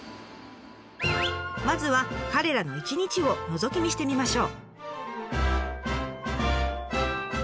まずは彼らの１日をのぞき見してみましょう。